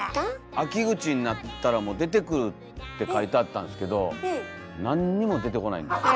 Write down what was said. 秋口になったらもう出てくるって書いてあったんすけど何にも出てこないんですよ。